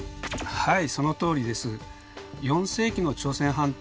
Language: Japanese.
はい。